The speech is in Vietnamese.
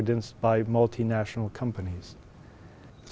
các chính phủ đề nghị giảm tài liệu